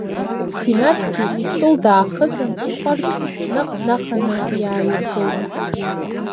Синаҭгьы истол даахыҵын, иҟәардә наҟ днаханы иааиргылт.